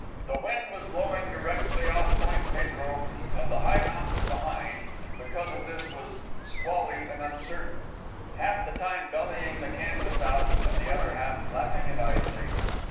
The wind was blowing directly off Point Pedro and the high mountains behind, and because of this was squally and uncertain, half the time bellying the canvas out, and the other half flapping it idly.